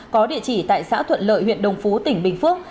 có địa chỉ tại xã thuận lợi huyện đồng phú tỉnh bình phước